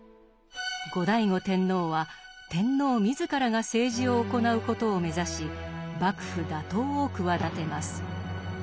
後醍醐天皇は天皇自らが政治を行うことを目指し幕府打倒を企てます。